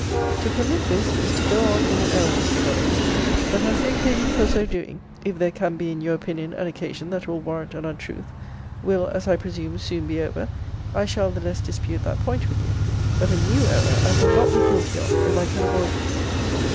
To permit this, is to go on in an error, Mr. Lovelace. But as the occasion for so doing (if there can be in your opinion an occasion that will warrant an untruth) will, as I presume, soon be over, I shall the less dispute that point with you. But a new error I will not be guilty of, if I can avoid it.